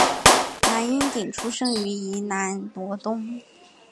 蓝荫鼎出生于宜兰罗东